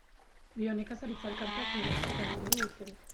Bionekazaritza elkarteak bere azoka egiten du urtero.